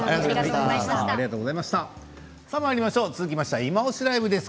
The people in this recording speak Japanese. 続いては「いまオシ！ＬＩＶＥ」です。